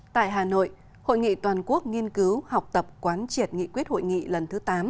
tại hà nội hội nghị toàn quốc nghiên cứu học tập quán triệt nghị quyết hội nghị lần thứ tám